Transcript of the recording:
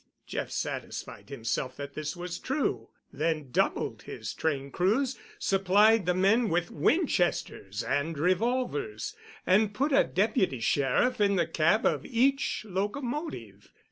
Jeff satisfied himself that this was true, then doubled his train crews, supplied the men with Winchesters and revolvers, and put a deputy sheriff in the cab of each locomotive.